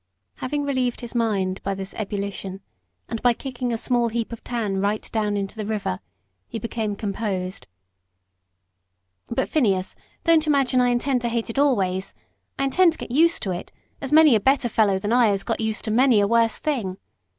Having relieved his mind by this ebullition, and by kicking a small heap of tan right down into the river, he became composed. "But, Phineas, don't imagine I intend to hate it always; I intend to get used to it, as many a better fellow than I has got used to many a worse thing.